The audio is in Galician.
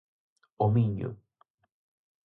O Miño.